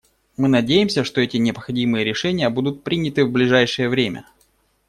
Мы надеемся, что эти необходимые решения будут приняты в ближайшее время.